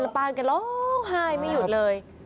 แล้วป้าเครื่องไห้ไม่หยุดเลย